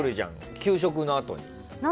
給食のあとに。